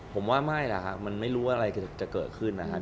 ผมว่าไม่แหละครับมันไม่รู้อะไรจะเกิดขึ้นนะครับ